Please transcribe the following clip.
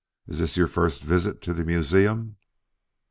Is this your first visit to the museum?"